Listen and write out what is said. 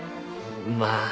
まあ。